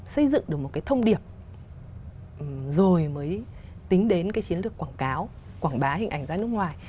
xây dựng được một cái thông điệp rồi mới tính đến cái chiến lược quảng cáo quảng bá hình ảnh ra nước ngoài